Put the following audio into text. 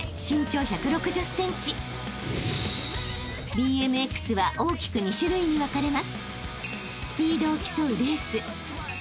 ［ＢＭＸは大きく２種類に分かれます］